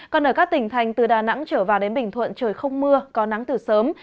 còn ở các tỉnh thành từ đà nẵng trở vào đến bình thuận trời không mưa có nắng từ sớm